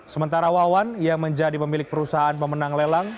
sementara wawan yang menjadi pemilik perusahaan pemenang lelang